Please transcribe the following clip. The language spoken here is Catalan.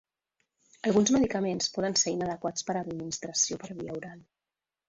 Alguns medicaments poden ser inadequats per a l'administració per via oral.